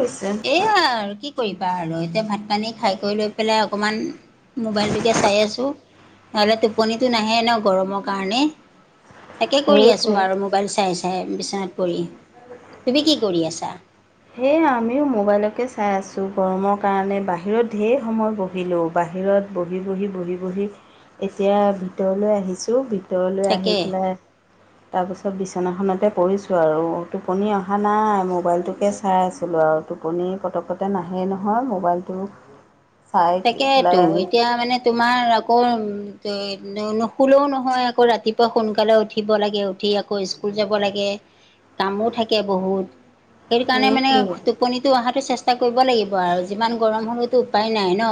হৈছে। এইয়া আৰু কি কি কৰিবা আৰু এতিয়া ভাত পানী খাই কৰি লৈ পেলাই অকমান মোবাইলটোকে চাই আছোঁ। নহ'লে টোপনিটো নাহে ন' গৰমৰ কাৰণে। তাকে কৰি আছোঁ সেইটোৱে। আৰু মোবাইল চাই- চাই বিচনাত পৰি তুমি কি কৰি আছা? সেয়ে আমিও মোবাইলকে চাই আছোঁ গৰমৰ কাৰণে বাহিৰত ঢেৰ সময় বহিলোঁ বাহিৰত বহি -বহি-বহি- বহি এতিয়া ভিতৰলৈ আহিছোঁ ভিতৰলৈ আহি তাকে পেলাই তাৰপিছত বিচনাখনতে পৰিছোঁ আৰু টোপনি অহা নাই মোবাইলটো কে চাই আছিলোঁ আৰু টোপনি পটকতে নাহেই নহয় মোবাইলটো চাই তেকেইতো পেলাই এতিয়া মানে তোমাৰ আকৌ [unintelligible] নুশুলেও নহয় আকৌ ৰাতিপুৱা সোনকালে উঠিব লাগে উঠি আক আকৌ স্কুল যাব লাগে কামো থাকে বহুত। সেইটো কাৰণে মানে সেইটোৱে টোপনিটো আহাটো চেষ্টা কৰিব লাগিব আৰু যিমান গৰম হলেওতো উপায় নাই। ন,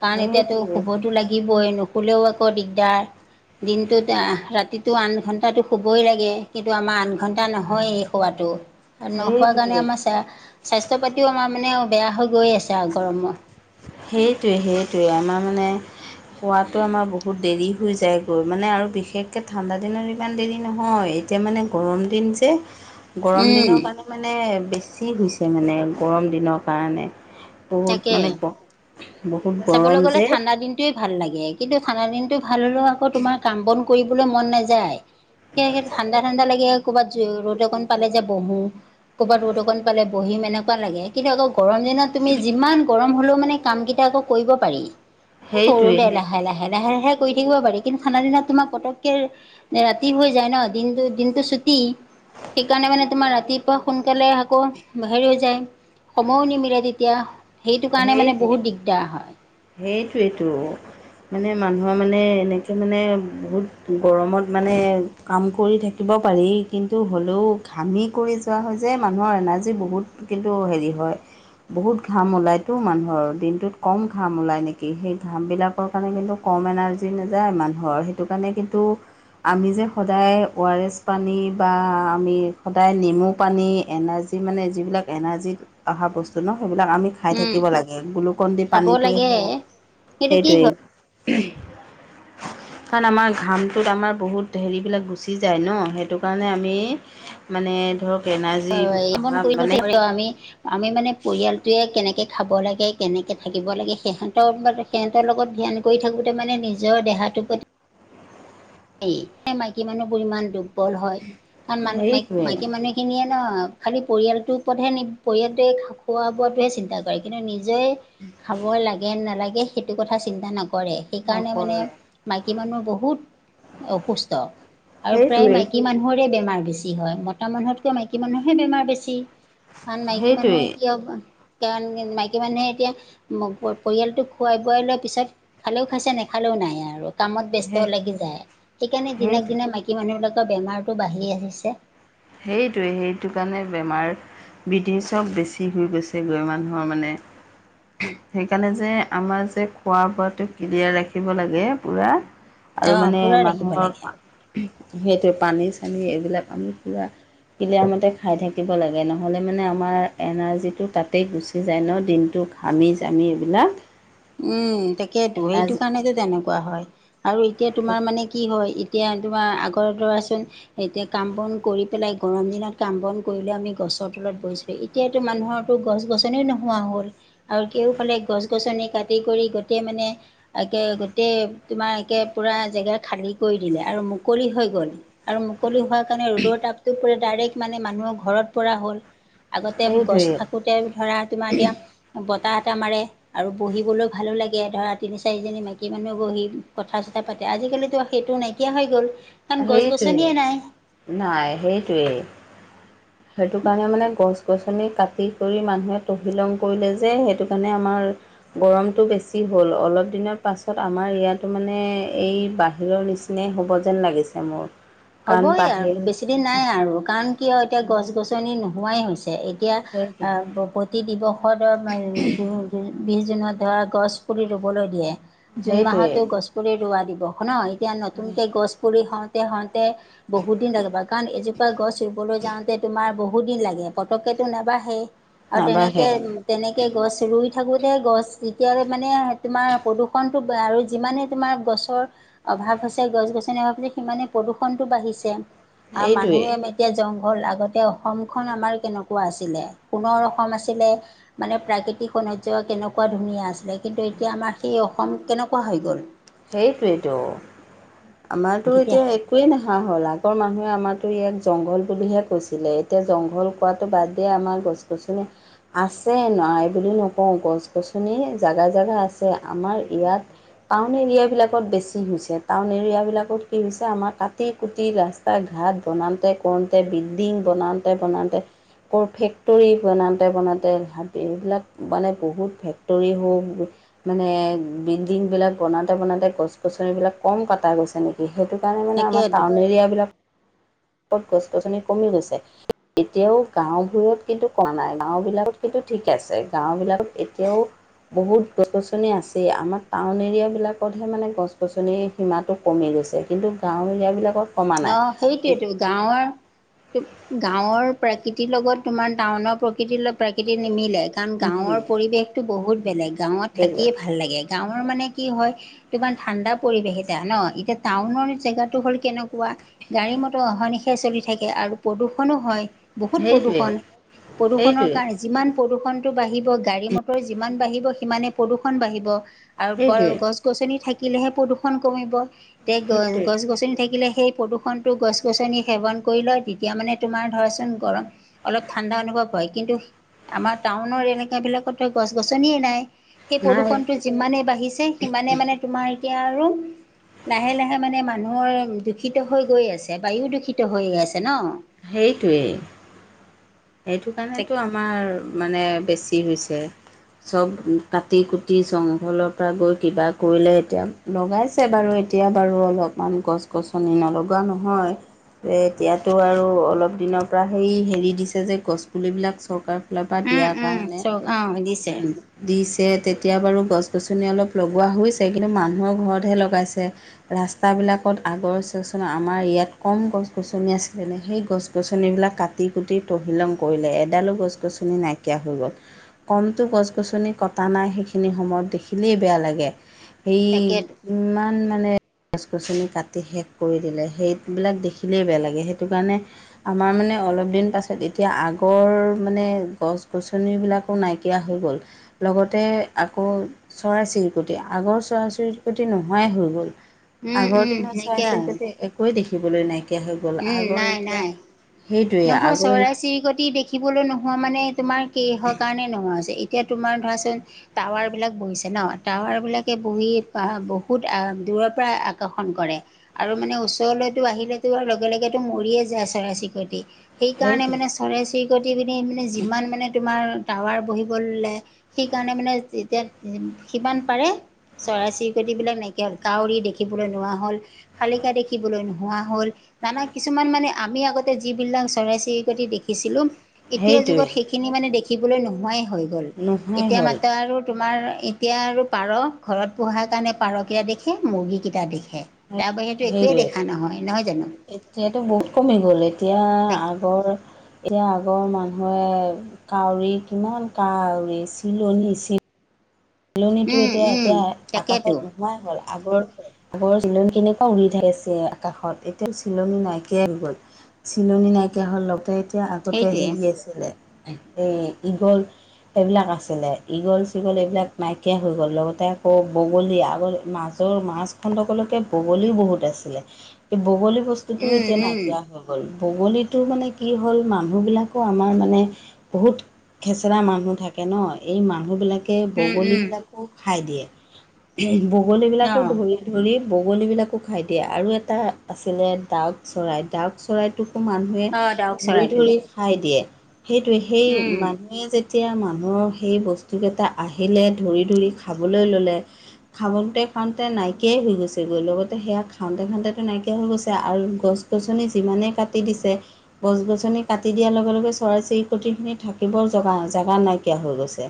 কাৰণ এতিয়াতো সেইটোৱে শুবতো লাগিবই, নুশুলেও আকৌ দিগদাৰ। দিনটোত ৰাতিটো আঠ ঘণ্টাটো শুবই লাগে, কিন্তু আমাৰ আঠ ঘণ্টা নহয়। শুৱাটো। আৰু নুশুৱা কাৰণে, সেইটোৱে আমাৰ স্বাস্থ্য পাতিও আমাৰ মানে বেয়া হৈ গৈয়ে আছে আৰু গৰমৰ। সেইটোৱে-সেইটোৱে আমাৰ মানে খোৱাটো আমাৰ বহুত দেৰি শুই যায়গৈ, মানে আৰু বিশেষকে ঠাণ্ডা দিনত ইমান দেৰি নহয় এতিয়া মানে গৰম দিন যে। হয়। গৰম উম। দিনৰ কাৰণে মানে বেছি হৈছে মানে, গৰম দিনৰ কাৰণে। বহুত তাকে মানে বহুত চাবলৈ গৰম গ'লে যে। ঠাণ্ডা ভাল লাগে কিন্তু ঠানা দিনটো ভাল হলেও, আকৌ তোমাৰ কাম বন কৰিবলৈ মন নাযায়। ঠাণ্ডা-ঠাণ্ডা লাগে ক'ৰবাত য ৰ'দ অকণ পালে যে বহো। ক'ৰবাত ৰ'দ অকণ পালে বহিম, এনেকুৱা লাগে কিন্তু অকৌ গৰম দিন তুমি যিমান গৰম হ'লেও মানে কামকেইটা আকৌ কৰিব পাৰি। কৰো সেইটোৱে দে, সেইটোৱে লাহে-লাহে-লাহে-লাহে কৰি থাকিব পাৰি। ঠাণ্ডা দিনত তোমাক পতককে- ৰাতি হৈ যায় ন, দিনটো-দিনতটো ছুটি। সেইকাৰণে মানে তোমাৰ ৰাতিপুৱা সোনকালে আকৌ হেৰি হৈ যায় সময়ো নিমিলে। এতিয়া সেইটো কাৰণে মানে বহুত দিগদাৰ হয়। সেইটোৱেতো। মানে মানুহৰ মানে এনেকৈ মানে বহুত গৰমত মানে কাম কৰি থাকিব পাৰি, কিন্তু হ'লেও ঘামি কৰি যোৱা হয় যে মানুহৰ এনাৰ্জী বহুত কিন্তু হেৰি হয় বহুত ঘাম ওলাই। টো মানুহৰ দিনটোত কম ঘাম ওলাই নেকি, সেই ঘাম বিলাকৰ কাৰণে কিন্তু কম এনাৰ্জি নাযায় মানুহৰ সেইটো কাৰণে কিন্তু আমি যে সদায় অ, আৰ এছ পানী বা আমি সদায় নেমু পানী এনাৰ্জি যি মানে যিবিলাক এনাৰ্জিত অহা বস্তু ন, সেইবিলাক আমি খাই থাকো। উম থাকিব লাগে, গ্লুকন দি খাব পানীটোৱে লাগে হক সেইটো কি সেইটোৱেই। হয় কাৰণ আমাৰ ঘামটোত আমাৰ বহুত হেৰি বিলাক গুচি যায়, ন সেইটো কাৰণে আমি মানে ধৰক এনাৰ্জি হয়ন অহা কৰি ঘঠ মানে আমি আমি মানে পৰিয়ালটোৱে কেনেকৈ খাব লাগে, কেনেকৈ থাকিব লাগে সিহঁতৰ তেহঁতৰ লগত ধ্যান কৰি থাকোঁতে, মানে নিজৰ দেহাটোৰ প্ৰতি এই মাইকী মানুহবোৰ ইমান দুৰ্বল হয়, কাৰণ মানুহ ম হেৰিটোৱে মাইকী মানুহ সেইখিনিয়ে ন খালি পৰিয়ালটোৰ ওপৰতহে, নি পৰিয়ালটোৱে খোৱা বোৱাটোহে চিন্তা কৰে। কৰে কিন্তু নিজে খাব লাগে নালাগে সেইটো কথা চিন্তা নকৰে। সেইকাৰণে মানে নকৰে। মাইকী মানুহৰ বহুত অসুস্থ আৰু প্ৰায় সেইটোৱে। মাইকী মানুহৰে বেমাৰ বেছি। বেছি হয় মতা মানুহতকৈ মাইকী মানুহে বেমাৰ বেছি, কাৰণ মাইকী সেইটোৱেই মানুহে কি কাৰণ মাইকী মানুহে এতিয়া পৰিয়ালটোক খুৱাই-বোৱাই লোৱাৰ পিছত খালেও খাইছে, নেখালেও নাই আৰু। কামত ব্যস্ত সেই লাগি যায় সেইকাৰণে দিনক সেইটো দিনে, মাইকী মানুহবিলাকৰ বেমাৰটো বাঢ়ি আহিছে। সেইটোৱে-সেইটো কাৰণে বেমাৰ বৃটি চব বেছি হৈ গৈছে, গৈ মানুহৰ মানে সেইকাৰণে যে, আমাৰ যে খোৱা বোৱাটো ক্লিয়াৰ ৰাখিব লাগে পুৰা। আৰু অঁ মানে পূৰা ৰাখিব মানুহৰ লাগে সেইটোৱে পানী-চানী এইবিলাক আমি পুৰা ক্লিয়াৰ মতে খাই থাকিব লাগে, নহ'লে মানে আমাৰ এনাৰ্জিটো তাতেই গুচি যায় ন দিনটোক ঘামি জামি এইবিলাক। উম তাকেতো সেইটো এনাৰ্জি কাৰণে যে তেনেকুৱা হয়। আৰু এতিয়া তোমাৰ মানে কি হয় এতিয়া তোমাৰ আগৰ ধৰা এতিয়া কাম বন কৰি পেলাই, গৰম দিনত কাম বন কৰিলে আমি গছৰ তলত বহিছো। এতিয়াতো মানুহৰো গছ -গছনি নোহোৱা হ'ল। আৰু কেওফালে গছ -গছনি কাটি খেতি কৰি গোটেই মানে একে গোটেই তোমাৰ একে পুৰা জেগা খালী কৰি দিলে আৰু মুকলি হৈ গ'ল। আৰু মুকলি হোৱাৰ কাৰণে ৰ'দৰ তাপটো পৰে ডাৰেক্ট মানে মানুহৰ ঘৰত পৰা হ'ল। আগতে গছ সেইটোৱে থাকোতে ধৰা তোমাৰ এতিয়া বতাহ এটা মাৰে আৰু বহি বলেও ভালো লাগে ধৰা তিনি চাৰিজনী মাইকী মানুহ বহি কথা চথা পাতে আজিকালিতো সেইটো নাই কিয়া হৈ গ'ল। কাৰণ গছ গছনিয়ে নাই সেইটোৱে নাই সেইটোৱে সেইটো কাৰণে মানে গছ গছনি কাটি কৰি মানুহে তহিলং কৰিলে যে সেইটো কাৰণে আমাৰ গৰমটো বেছি হ'ল অলপ দিনৰ পাছত আমাৰ ইয়াতো মানে এই বাহিৰৰ নিচি নাই হ'ব যেন লাগিছে মোৰ। কাৰণ হ'বই বাহিৰ আৰু বেছি দিন নাই আৰু, কাৰণ কিয় এতিয়া গছ গছনি নোহোৱাই হৈছে। এতিয়া সেইটোৱে আ কি দিৱসৰ ধ বিশ জুনত ধৰা গছ পুলি ৰুবলৈ দিয়ে। জুন সেইটোৱে মাহতো গছ পুলি ৰোৱা দিৱস ন এতিয়া নতুনকে গছ পুলি হওঁতে হওঁতে বহুত দিন লাগিব কাৰণ এজোপা গছ ৰুবলৈ যাওঁতে তোমাৰ বহুত দিন লাগে পতককেটো নেবাঢ়ে। আৰু তেনেকে নাবাঢ়ে উম তেনেকে গছ ৰুই থাকোতে গছ তেতিয়ালে মানে তোমাৰ প্ৰদূষণ আৰু যিমানে তোমাৰ গছৰ অভাৱ হৈছে গছ গছনিৰ অভাৱ সিমানে প্ৰদূষণটো বাঢ়িছে আৰু এইটোৱে মানুহে এতিয়া জংঘল আগতে অসমখন আমাৰ কেনেকুৱা আছিলে সোণৰ অসম আছিলে। মানে প্ৰাকৃতিক সৌন্দৰ্য্য কেনেকুৱা ধুনীয়া আছিলে। কিন্তু এতিয়া আমাৰ সেই অসম কেনেকুৱা হৈ গ'ল? সেইটোৱেটো, আমাৰটো এতিয়া এ একোৱেই নোহোৱা হ'ল। আগৰ মানুহে আমাৰটো ইয়াক জংঘল বুলিহে কৈছিলে। এতিয়া জংঘল পোৱাটো বাদে আমাৰ গছ - গছনি আছে নাই বুলি নকওঁ গছ - গছনি জাগাই জাগাই আছে আমাৰ ইয়াত মানে এৰিয়াবিলাকত বেছি হৈছে। টাউন এৰিয়াবিলাকত কি হৈছে আমাৰ কাটি কুটি ৰাস্তা ৰাস্তা ঘাট বনাওঁতে কৰোঁতে বিল্ডিং বনাওঁতে বনাওঁতে ক' ফেক্টৰী বনাওঁতে বনাওঁতে এইবিলাক মানে বহুত ফেক্টৰী হওঁক মানে বিল্ডিং বিলাক বনাওঁতে বনাওঁতে গছ - গছনিবিলাক কম কটা গৈছে নেকি সেইটো কাৰণে মানে আমাৰ একে টাউন এৰিয়াবিলাক কত গছ - গছনি কমি গৈছে। এতিয়াও গাঁওবোৰত কিন্তু কমা নাই। গাওঁ বিলাকত কিন্তু ঠিকে আছে, গাওঁ বিলাকত এতিয়াও বহুত গছ গছনি আছেই, আমাৰ টাউন এৰিয়া বিলাকতহে মানে গছ গছনি সীমাটো কমি গৈছে। কিন্তু গাওঁ এৰিয়া বিলাকত ন' সেইটোৱেটো গাঁৱৰ, গাঁৱৰ প্ৰাকৃতিৰ লগত তোমাৰ টাউনৰ প্ৰকৃতিৰ লগত প্ৰাকৃতি নিমিলে। কাৰণ গাঁৱৰ পৰিৱেশ টো বহুত বেলেগ গাঁৱত সেইটোৱে থাকিয়ে ভাল লাগে। গাঁৱৰ মানে কি হয় তোমাৰ ঠাণ্ডা পৰিৱেশ এতিয়া ন এতিয়া টাউনৰ জেগাটো হ'ল কেন কুৱা, গাড়ী মটৰ অহা নিশাই চলি থাকে আৰু প্ৰদূষণো হয়। বহুত সেইটোৱে প্ৰদূষণ প্ৰদূষণৰ সেইটোৱে কাৰ যিমান প্ৰদূষণটো বাঢ়িব গাড়ী মটৰ যিমান বাঢ়িব সিমানে প্ৰদূষণ বাঢ়িব। আৰু সেইটোৱে গছ গছনি থাকিলেহে প্ৰদূষণ কমিব, এতিয়া গ গছ সেইটোৱে গছনি থাকিলে সেই প্ৰদূষণটো গছ গছনি সেৱন কৰি লয়। তেতিয়া মানে তোমাৰ ধৰাচোন গৰম অলপ ঠাণ্ডা অনুভৱ হয়, কিন্তু আমাৰ টাউনৰ এনেকা বিলাকতটো গছ গছনিয়ে নাই। সেই নাই প্ৰদূষণটো যিমানে বাঢ়িছে সিমানে মানে তোমাৰ এতিয়া আৰু লাহে লাহে মানে মানুহৰ দূষিত হৈ গৈয়ে আছে। বায়ু দূষিত হৈ আছে ন? সেইটোৱেই, সেইটো কাৰণেটো আ আমাৰ মানে বেছি হৈছে। চব কাটি কুটি জংঘলৰ পৰা গৈ কিবা কৰিলে এতিয়া। লগাইছে বাৰু এতিয়া বাৰু অলপমান গছ গছনি নলগোৱা নহয়। এ এতিয়াতো আৰু অলপ দিনৰ পৰা সেই হেৰি দিছে যে গছপুলিবিলাক চৰকাৰ ফালৰ পৰা উম দিয়াৰ উম কাৰণে চক অ দিছে উম। দিছে তেতিয়া বাৰু গছ -গছনি অলপ লগোৱা হৈছে কিন্তু মানুহৰ ঘৰতহে লগাইছে। ৰাস্তা বিলাকত আগৰ চোৱাচোন আমাৰ ইয়াত কম গছ -গছনি আছ যেনে সেই গছ -গছনিবিলাক কাটি কুটি তহিলং কৰিলে এডালো গছ -গছনি নাইকিয়া হৈ গ'ল। কমটো গছ-গছনি কটা নাই সেইখিনি সময়ত দেখিলেই বেয়া লাগে সেই তাকেতো ইমান মানে গছ- গছনি কাটি শেষ কৰি দিলে সেইবিলাক দেখিলেই বেয়া লাগে সেই সেইটো কাৰণে আমাৰ মানে অলপ দিন পাছত এতিয়া আগৰ মানে গছ-গছনিবিলাক কো নাইকিয়া হৈ গ'ল লগতে আকৌ চৰাই -চিৰিকটি আগৰ চৰাই- চিৰিকটি নোহোৱাই হৈ গ'ল। উম আগৰ উম দিনৰ সেনেকে চৰাই আৰু -চিৰিকতি একোৱে দেখিবলৈ নাইকিয়া হৈ গ'ল উম, আগৰ নাই এতিয়া -নাই। সেইটোৱে নহয় আগৰ চৰাই -চিৰিকটি দেখিবলৈ নোহোৱা মানে তোমাৰ কিহৰ কাৰণে নোহোৱা হৈছে এত এতিয়া তোমাৰ ধৰাচোন টাৱাৰ বিলাক বহিছে ন' টাৱাৰ বিলাকে বহি বহুত দূৰৰ পৰাই আকৰ্ষণ কৰে আৰু মানে ওচৰলৈতো আহিলেতো আৰু লগে -লগেতো মৰিয়ে যায় চৰাই -চিৰিকতি। সেইকাৰণে সেইটোৱে মানে চৰাই-চিৰিকটি পিনে মানে যিমান মানে তোমাৰ টাৱাৰ বহিদবল্লে সেইকাৰণে মানে যেতিয়া সিমান পাৰে চৰাই-চিৰিকটি বিলাক নাইকিয়া হ'ল কাউৰী দেখিবলৈ নোহোৱা হ'ল। শালিকা দেখিবলৈ নোহোৱা হ'ল নানা কিছুমান মানে আমি আগতে যিবিলাক চৰাই-চিৰিকটি দেখিছিলোঁ এতিয়া সেইটোৱে যুগত সেইখিনি মানে দেখিবলে নোহোৱাই হয়। গ'ল নোহোৱাই এতিয়া হ'ল মাত্ৰ আৰু তোমাৰ এতিয়া আৰু পাৰ ঘৰত পোহা কাৰণে পাৰ কেইটা দেখে মুৰ্গী কেইটা দেখে। তাৰ বাহিৰেতো একোৱেই সেইটোৱে দেখা নহয়-নহয় জানো? এতিয়াতো বহুত কমি গ'ল এতিয়া তাকে আগৰ এতিয়া আগৰ মানুহে কাউৰী কিমান কাউৰী চিলনী চিল চিলনীটো উম এতিয়া- উম এতিয়া আকাশত তাকেতো নোহোৱাই হ'ল আগৰ আগৰ চিলনী কেনেকুৱা উৰি থাকে ছে আকাশত এতিয়াও চিলনী নাইকিয়াই হৈ গ'ল। চিলনী নাইকিয়া হ'ল লগতে এতিয়া আগতে সেইটোৱে হেৰি আছে [unintelligible] এই ঈগল এইবিলাক আছিলে ঈগল- ছিগল এইবিলাক নাইকিয়া হৈ গ'ল লগতে আকৌ বগলী আগৰ মাজৰ মাছখণ্ডকলৈকে বগলী বহুত আছিলে বগলী বস্তুটোও উম এতিয়া উম নাইকীয়া হ'ল। হ'ল বগলীতো মানে কি হ'ল মানুহবিলাকো আমাৰ মানে বহুত খেচেৰা মানুহ থাকে ন' এই মানুহবিলাকে উম উম বগলীবিলাকো খাই দিয়ে বগলীবিলাকো অঁ ধৰি ধৰি বগলী বিলাকো খাই দিয়ে আৰু এটা আছিলে দাউক চৰাই ডাউক চৰাইতোকো মানু অঁ ডাউক নিয়ে ধৰি - চৰাইটো ধৰি খাই দিয়ে সেইটোৱে সেই উম মানুহে যেতিয়া মানুহৰ সেই বস্তুকেইটা আহিলে ধৰি- ধৰি খাবলৈ ল'লে খাবংতে -খাওঁতে নাইকিয়াই হৈ গৈছেগৈ লগতে সেয়া খাওঁতে -খাওঁতেতো নাইকিয়া হৈ গৈছে আৰু গছ গছ -গছনি যিমানেই কাটি দিছে গছ-গছনি কাটি দিয়াৰ লগে- লগে চৰাই-চিৰিকটিখিনি থাকিবও জগা জেগা নাইকিয়া হৈ গৈছে।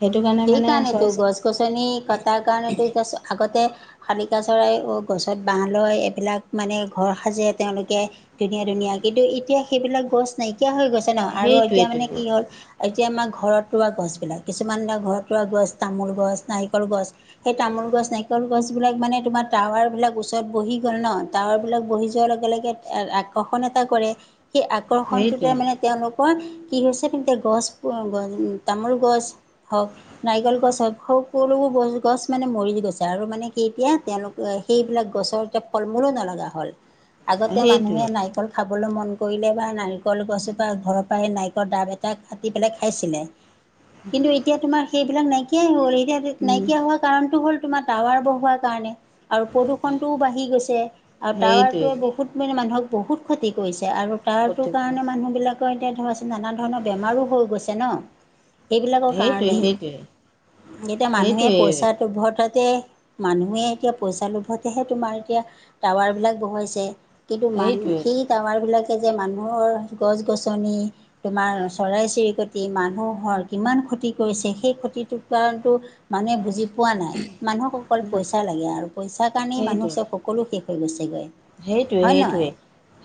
সেইটো কাৰণে মানে সেইকাৰণেতো চৰাই চিৰিকটি গছ-গছনি কটাৰ কাৰনেটো এতিয়া আগতে শালিকা চৰাই অ, গছত বাঁহ লয় এইবিলাক মানে ঘৰ সাজে তেওঁলোকে ধুনীয়া- ধুনীয়া কিন্তু এতিয়া সেইবিলাক গছ নাইকিয়া হৈ গৈছে ন'আৰু এতিয়া মানে সেইটোৱেইটো কি হ'ল এতিয়া আমাৰ ঘৰত ৰোৱা গছ বিলাক কিছুমান ঘৰত ৰোৱা গছ তামোল গছ, নাৰিকল গছ সেই তামোল গছ, নাৰিকল গছ বিলাক মানে তোমাৰ টাৱাৰবিলাক ওচৰত বহি গ'ল ন' টাৱাৰ বিলাক বহি যোৱাৰ লগে- লগে এ আকৰ্ষণ এটা কৰে সেই সেইটোৱে, আকৰ্ষণটোতে মানে তেওঁলোকৰ কি হৈছে তেতিয়া গছ [unintelligible] তামোল গছ হওক নাৰিকল গছ হওক সকলোবোৰ গছ- গছ মানে মৰি গছে আৰু মানে কি এতিয়া তেওঁলোক সেইবিলাক গছৰ এতিয়া ফলমূলো নলগা হ'ল আগতে সেইটোৱে, মানুহে নাৰিকল খাবলৈ মন কৰিলে বা নাৰিকল গছপা ঘৰৰ পৰা সেই নাৰিকলৰ ডাব এটা কাটি পেলাই খাইছিলে কিন্তু এতিয়া তোমাৰ সেইবিলাক নাইকিয়াই হ'ল এতিয়া উম, নাইকিয়া হোৱা কাৰণটো হ'ল তোমাৰ টাৱাৰ বহোৱাৰ কাৰণে আৰু প্ৰদূষণটোও বাঢ়ি গৈছে আৰু সেইটোৱে টাৱাৰটোৱে বহুত মানে মানুহক বহুত ক্ষতি কৰিছে আৰু টাৱাৰটোৰ সেইটোৱে, কাৰণে মানু্হবিলাকৰ এতিয়া ধৰাচোন নানা ধৰণৰ বেমাৰো হৈ গৈছে ন' এইবিলাক সেইটোৱে, কাৰণে সেইটোৱে, এতিয়া মানুহে পইচা সেইটোৱে, লোভততে মানুহে এতিয়া পইচা লোভতহে তোমাৰ এতিয়া টাৱাৰবিলাক বহোৱাইছে। কিন্তু মান সেইটোৱে, সেই টাৱাৰবিলাকে যে মানুহৰ গছ- গছনি তোমাৰ চৰাই-চিৰিকটি মানুহৰ কিমান ক্ষতি কৰিছে সেই ক্ষতিটো কাৰণটো মানুহে বুজি পোৱা নাই মানুহক অকল পইচা লাগে আৰু পইচাৰ কাৰণেই মানুহ সেইটোৱে চব সকলো শেষ হৈ গৈছেগৈ। সেইটোৱে - হয় নহয় সেইটোৱে।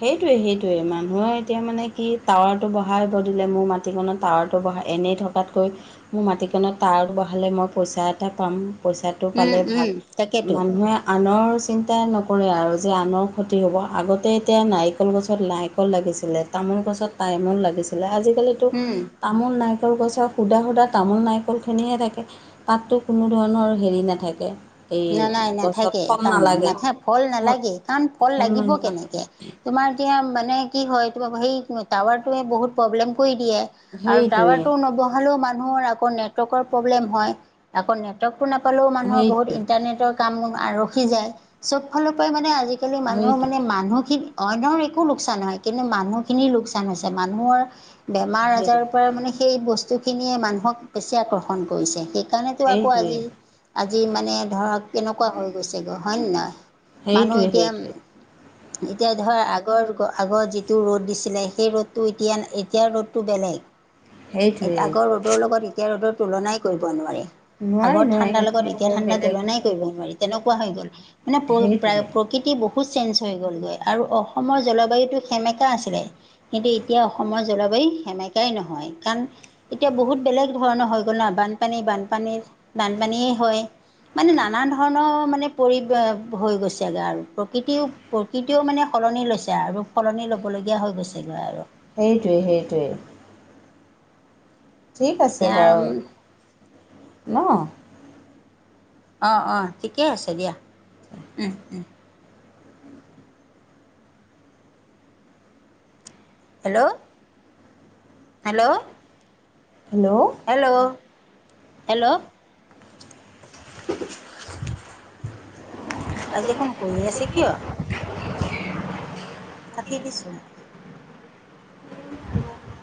সেইটোৱে- সেইটোৱে মানুহে এতিয়া মানে কি টাৱাৰটো বহাব দিলে মোৰ মাত মাটিকণত টাৱাৰটো বহা এনেই থকাতকৈ মোৰ মাটিকণত টাৱাৰটো বহালে মই পইচা এটা পাম। পইচাটো উম পালে উম ভাল তাকেতো মানুহে আনৰ চিন্তা নকৰে আৰু যে আনৰ ক্ষতি হ'ব আগতে এতিয়া নাৰিকল গছত নাৰিকল লাগিছিলে তামোল গছত তামোল লাগিছিলে আজিকালি তো উম তামোল, নাৰিকল গছৰ সুধা -সুধা তামোল, নাৰিকলখিনিয়ে থাকে। তাতটো কোনো ধৰণৰ হেৰি নাথাকে। এই নে নাই গছত নাথাকে ফল তামোল নালাগে নাথাক ফল নালাগেই কাৰণ ফল ফোন লাগিব নলগা হ'ল কেনেকে তোমাৰ এতিয়া মানে কি হয় তোমাৰ সেই টাৱাৰটোৱে বহুত প্ৰব্লেম কৰি দিয়ে আৰু সেইটোৱে টাৱাৰটো নবহালেও মানুহৰ আকৌ নেটৱৰ্কৰ প্ৰব্লেম হয়। আকৌ নেটৱৰ্কটো নাপালেও মানুহৰ বহুত সেইটোৱে ইন ইণ্টাৰনেটৰ কামো আ ৰখি যায় চব ফালৰ পৰাই মানে আজিকালি মানুহ সেইটো মানে মানুহখিনি অইনৰ একো লোকচান নহয় কিন্তু মানুহখিনিৰ লোকচান হৈছে মানুহৰ বেমাৰ সেই আজাৰৰ পৰাই মানে সেই বস্তুখিনিয়ে মানুহক বেছি আকৰ্ষণ কৰিছে সে সেইকাৰণেতো আকৌ সেইটোৱে আজি-আজি মানে ধৰক কেনেকুৱা হৈ গৈছেগৈ হ'য় নে নহয় মানুহ সেইটোৱে এতিয়া সেইটোৱে এতিয়া ধৰ আগৰ যুগৰ আগৰ যিটো ৰ'দ দিছিলে সেই ৰ'দটো এতিয়া- এতিয়া ৰ'দটো বেলেগ [inaudible] এ আগৰ ৰ'দৰ লগত এতিয়া ৰ'দৰ তুলনাই কৰিব নোৱাৰি। নোৱাৰি আগৰ নোৱাৰি ঠাণ্ডাৰ লগত এতিয়া বৰ ঠাণ্ডা বেলেগ তুলনাই কৰিব নোৱাৰি তেনেকুৱা হৈ গ'ল মানে পল প্ৰায় সেইটোৱে প্ৰ প্ৰকৃতি বহুত চেঞ্জ হৈ গ'লগৈ আৰু অসমৰ জলবায়ুটো সেমেকা আছিলে কিন্তু এতিয়া অসমৰ জলবায়ু সেমেকাই নহয় কাৰণ এতিয়া বহুত বেলেগ ধৰণৰ হৈ গ'ল ন' বানপানী- বানপানীৰ - বানপানীয়ে হয়। মানে নানান ধৰণৰ মানে পৰি হৈ গৈছেগে আৰু প্ৰকৃতিও -প্ৰকৃতিও মানে সলনি লৈছে আৰু সলনি ল'বলগীয়া হৈ গৈছেগৈ আৰু সেইটোৱেই -সেইটোৱেই ঠিক আছে এতিয়া বাৰু ন'? অ', অ', ঠিকে আছে দিয়া উম - উম। Hello, hello, hello, hello, hello, [unintelligible] আজি দেখোন শুই আছে কিয়? থাটি দিছোঁ নে [unintelligible]